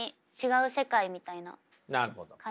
なるほど。